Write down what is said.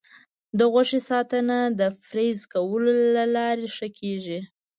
د غوښې ساتنه د فریز کولو له لارې ښه کېږي.